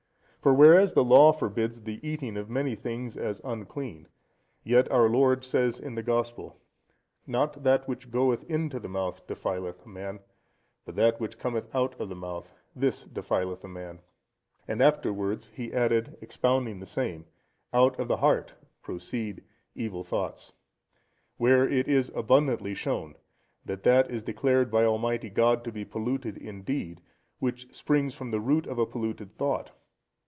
For whereas the Law forbids the eating of many things as unclean, yet our Lord says in the Gospel, "Not that which goeth into the mouth defileth a man; but that which cometh out of the mouth, this defileth a man." And afterwards he added, expounding the same, "Out of the heart proceed evil thoughts." Where it is abundantly shown, that that is declared by Almighty God to be polluted in deed, which springs from the root of a polluted thought.